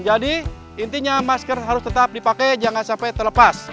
jadi intinya masker harus tetap dipakai jangan sampai terlepas